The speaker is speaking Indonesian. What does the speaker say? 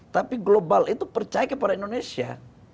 tapi global itu percaya kepada indonesia